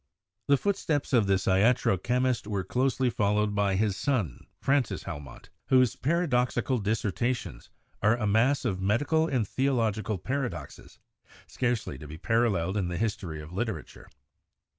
The footsteps of this iatro chemist were closely fol lowed by his son, Francis Helmont, whose 'Paradoxical Dissertations' are a mass of medical and theological para doxes, scarcely to be paralleled in the history of literature.